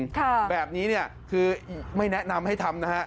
ค่ะแบบนี้เนี่ยคือไม่แนะนำให้ทำนะฮะ